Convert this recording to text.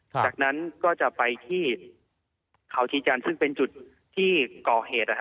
จากนั้นก็จะไปที่เขาชีจันทร์ซึ่งเป็นจุดที่ก่อเหตุ